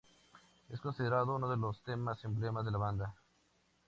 Es considerado uno de los temas emblemas de la banda.